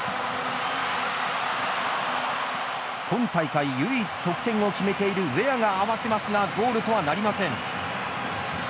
今大会唯一得点を決めているウエアが合わせますがゴールとはなりません。